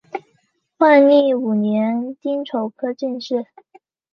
万历五年丁丑科进士。